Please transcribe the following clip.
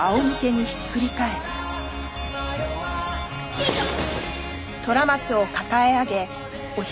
よいしょ！